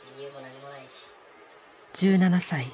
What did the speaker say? １７歳。